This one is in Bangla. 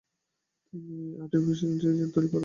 একটা আর্টিফিশিয়াল ইন্টেলিজেন্ট তৈরি করো।